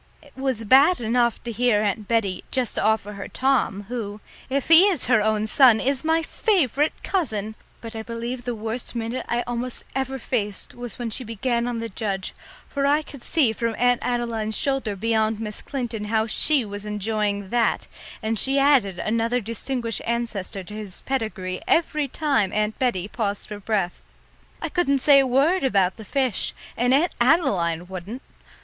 It was bad enough to hear Aunt Bettie just offer her Tom, who, if he is her own son, is my favourite cousin, but I believe the worst minute I almost ever faced was when she began on the judge, for I could see from Aunt Adeline's shoulder beyond Miss Clinton how she was enjoying that, and she added another distinguished ancestor to his pedigree every time Aunt Bettie paused for breath. I couldn't say a word about the fish and Aunt Adeline wouldn't!